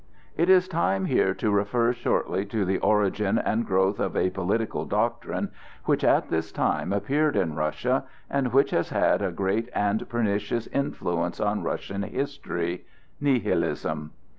It is time here to refer shortly to the origin and growth of a political doctrine which at this time appeared in Russia and which has had a great and pernicious influence on Russian history,—Nihilism.